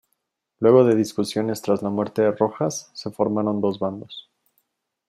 Luego de discusiones tras la muerte de Rojas, se formaron dos bandos.